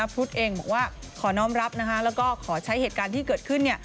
พุทธเองบอกว่าขอน้องรับแล้วก็ขอใช้เหตุการณ์ที่เกิดขึ้น